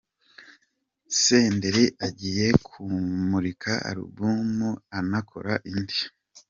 Senderi agiye kumurika Alubumu anakora indi